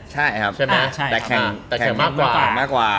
แต่แข่งมากกว่า